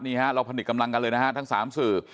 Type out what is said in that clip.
นี่ฮะเราผนึกกำลังกันเลยนะฮะทั้ง๓สื่อ